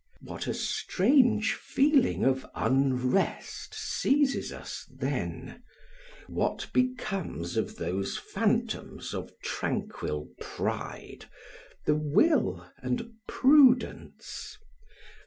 What a strange feeling of unrest seizes us then! What becomes of those fantoms of tranquil pride, the will and prudence?